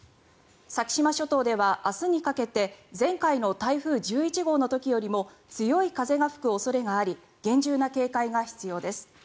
先島諸島では明日にかけて前回の台風１１号の時よりも強い風が吹く恐れがあり厳重な警戒が必要です。